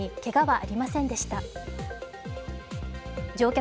乗客